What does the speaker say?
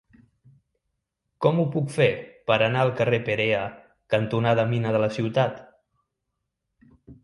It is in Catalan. Com ho puc fer per anar al carrer Perea cantonada Mina de la Ciutat?